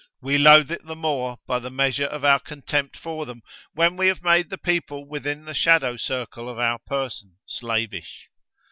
We loathe it the more, by the measure of our contempt for them, when we have made the people within the shadow circle of our person slavish.